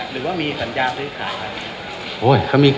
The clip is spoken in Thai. หรือว่ามีสัญญาซื้อขาย